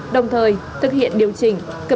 đồng thời thực hiện điều chỉnh